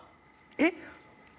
えっ？